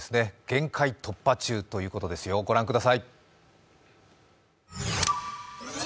限界突破中ということですよ、ご覧ください。